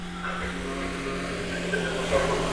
একে নিরাপদ শহর করো।